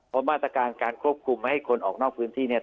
เพราะมาตรการการควบคุมให้คนออกนอกพื้นที่เนี่ย